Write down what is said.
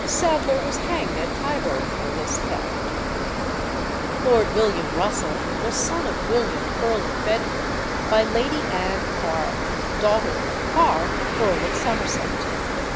Sadler was hanged at Tyburn for this theft. Lord William Russell was son of William, Earl of Bedford, by Lady Ann Carr, daughter of Carr, Earl of Somerset.